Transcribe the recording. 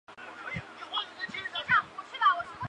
头孢唑肟常态下为白色或淡黄色结晶。